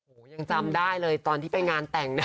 โอ้โหยังจำได้เลยตอนที่ไปงานแต่งนะ